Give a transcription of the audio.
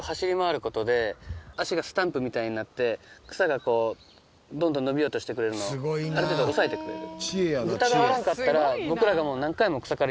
足がスタンプみたいになって草がどんどん伸びようとしてくるのをある程度抑えてくれる。